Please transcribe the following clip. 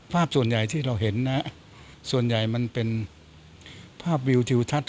ภาพส่วนใหญ่ที่เราเห็นนะส่วนใหญ่มันเป็นภาพวิวทิวทัศน